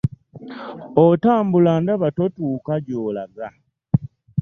Otambula ndaba totuuka gy'olaga.